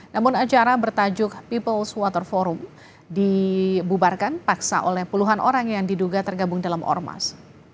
namun acara bertajuk peoples water forum dibubarkan paksa oleh puluhan orang yang diduga tergabung dalam ormas